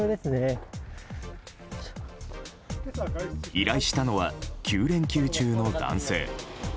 依頼したのは、９連休中の男性。